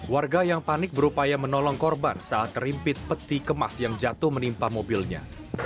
warga yang panik berupaya menolong korban saat terimpit peti kemas yang jatuh menimpa mobilnya